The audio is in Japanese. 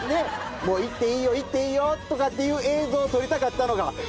もう行っていいよ行っていいよっていう映像を撮りたかったのがシャッと。